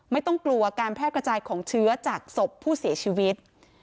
ไม่ต้องกลัวการแพร่กระจายของเชื้อจากศพผู้เสียชีวิต